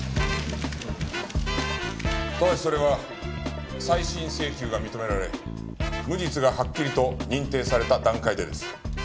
ただしそれは再審請求が認められ無実がはっきりと認定された段階でです。